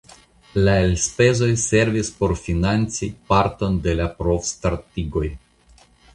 La elspezoj servis por financi parton de la provstartigoj.